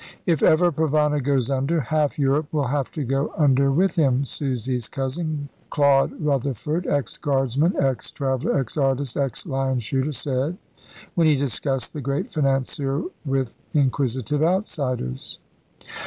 "If ever Provana goes under, half Europe will have to go under with him," Susie's cousin, Claude Rutherford, ex guardsman, ex traveller, ex artist, ex lion shooter, said, when he discussed the great financier with inquisitive outsiders.